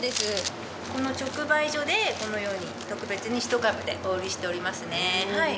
この直売所でこのように特別に１株でお売りしておりますね。